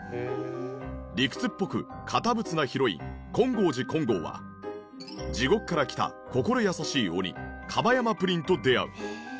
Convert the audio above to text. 理屈っぽく堅物なヒロイン金剛寺金剛は地獄から来た心優しい鬼樺山プリンと出会う。